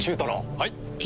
はい。